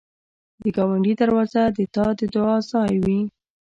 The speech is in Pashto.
د ګاونډي دروازه د تا د دعا ځای وي